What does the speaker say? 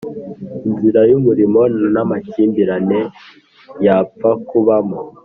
inzira yumurimo ntamakimbirane yapfa kubamo